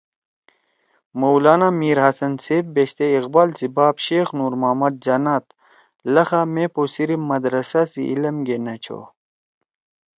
مولانا میرحسن صیب بیشتے اقبال سی باپ شیخ نور محمد جناد لخا مے پو صرف مدرسہ سی علم گے نہ چھو